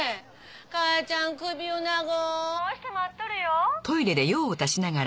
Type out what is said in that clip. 母ちゃん首をなごして待っとるよ。